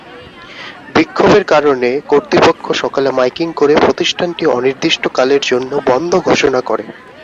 বিক্ষোভের কারণে কর্তৃপক্ষ সকালে মাইকিং করে প্রতিষ্ঠানটি অনির্দিষ্টকালের জন্য বন্ধ ঘোষণা করে।